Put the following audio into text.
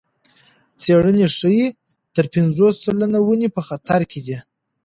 څېړنې ښيي تر پنځوس سلنه ونې په خطر کې دي.